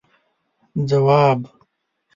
ځواب: